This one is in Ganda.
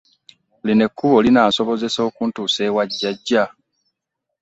Lino ekkubo linaansobozesa okutuusa ewa jajja?